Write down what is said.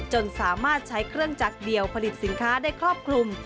จนสามารถใช้เครื่องจักรเดียวผลิตสินค้าได้ครอบคลุม